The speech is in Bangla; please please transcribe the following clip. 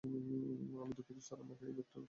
আমি দুঃখিত, স্যার, আপনাকে ওই ব্যাগটি চেক করাতে হবে।